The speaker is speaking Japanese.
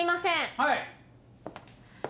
はい。